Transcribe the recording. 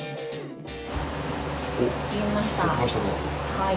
はい。